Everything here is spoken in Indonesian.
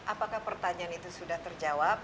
apakah pertanyaan itu sudah terjawab